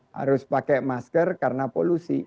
harus pakai masker karena polusi